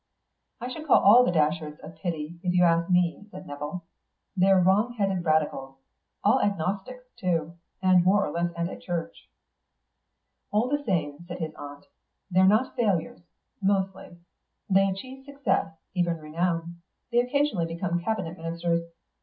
"I should call all the Datcherds a pity, if you ask me," said Nevill. "They're wrong headed Radicals. All agnostics, too, and more or less anti church." "All the same," said his aunt, "they're not failures, mostly. They achieve success; even renown. They occasionally become cabinet ministers.